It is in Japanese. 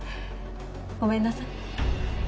ごめんなさい。